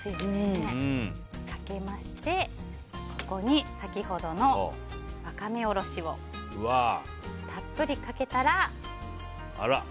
かけましてここに先ほどのワカメおろしをたっぷりかけたら。